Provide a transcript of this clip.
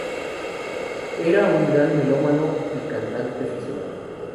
Era un gran melómano y cantante aficionado.